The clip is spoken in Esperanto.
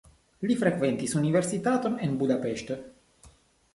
Li frekventis universitaton en Budapeŝto.